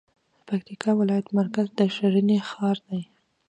پکتيکا ولايت مرکز د ښرنې ښار دی